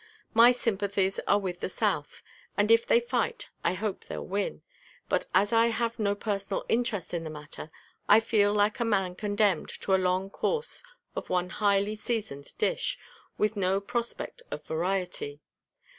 My sympathies are with the South, and if they fight I hope they'll win; but as I have no personal interest in the matter I feel like a man condemned to a long course of one highly seasoned dish, with no prospect of variety.